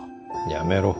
やめろ。